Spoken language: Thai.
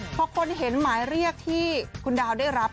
พอคนเห็นหมายเรียกที่คุณดาวได้รับ